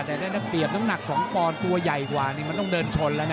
แต่ถ้าเปรียบน้ำหนัก๒ปอนด์ตัวใหญ่กว่านี่มันต้องเดินชนแล้วนะ